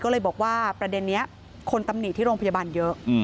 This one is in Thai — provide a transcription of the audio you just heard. ก็เลยบอกว่าประเด็นนี้คนตำหนิที่โรงพยาบาลเยอะ